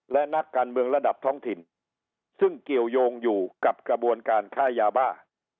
และนักการเมืองระดับท้องถิ่นซึ่งเกี่ยวยงอยู่กับกระบวนการค้ายาบ้า